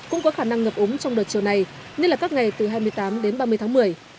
cũng có khả năng ngập úng trong đợt chiều này như là các ngày từ hai mươi tám đến ba mươi tháng một mươi